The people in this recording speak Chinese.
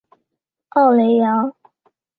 奥雷扬。